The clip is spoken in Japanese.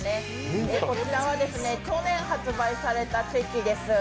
こちらは去年発売されたチェキです。